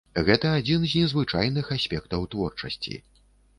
Гэта адзін з незвычайных аспектаў творчасці.